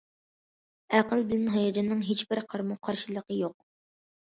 ئەقىل بىلەن ھاياجاننىڭ ھېچ بىر قارىمۇقارشىلىقى يوق.